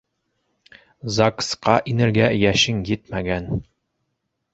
ЗАГС-ҡа инергә йәшең етмәгән.